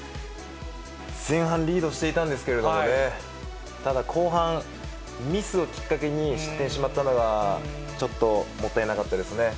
前半リードしていたんですけれどもね、ただ後半、ミスをきっかけに失点してしまったのが、ちょっともったいなかったですね。